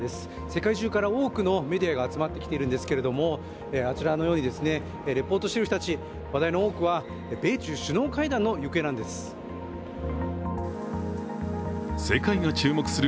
世界中から多くのメディアが集まってきているんですけれどもあちらのように、レポートしている人たち、話題の多くは米中首脳会談の行方なんです。